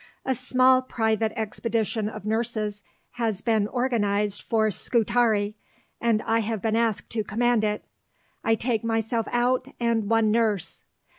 A small private expedition of nurses has been organized for Scutari, and I have been asked to command it. I take myself out and one nurse.